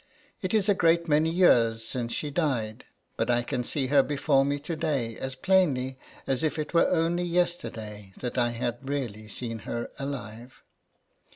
It is a great many years since she died ; but I can see her before me to day as plainly as if it were only yesterday that I had really seen her alive.